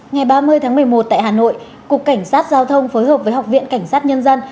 ngày ba mươi tháng một mươi một tại hà nội cục cảnh sát giao thông phối hợp với học viện cảnh sát nhân dân